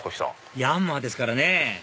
ヤンマーですからね